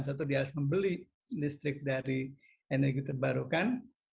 satu dia harus membeli listrik dari energi terbarukan